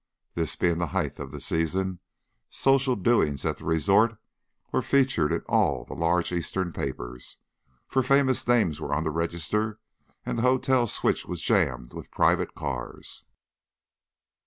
This being the height of the season, social doings at the resort were featured in all the large Eastern papers, for famous names were on the register and the hotel switch was jammed with private cars.